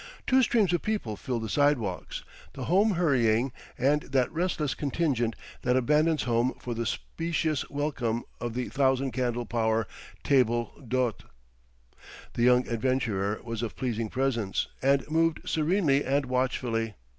Two streams of people filled the sidewalks—the home hurrying, and that restless contingent that abandons home for the specious welcome of the thousand candle power table d'hôte. The young adventurer was of pleasing presence, and moved serenely and watchfully.